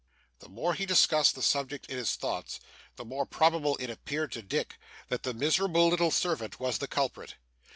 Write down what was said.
The more he discussed the subject in his thoughts, the more probable it appeared to Dick that the miserable little servant was the culprit.